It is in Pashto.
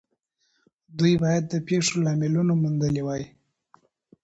دوی بايد د پېښو لاملونه موندلي وای.